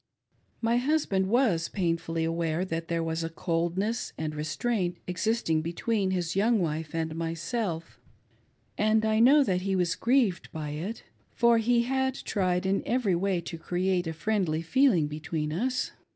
My husband was painfully aware that there was a coldness. and restraint existing bietween his young' wife and myself, and I know that he was grieved by it, for he had tried in every way to create a friendly feeling' between us.